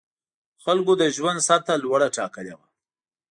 خلکو د ژوند سطح لوړه ټاکلې وه.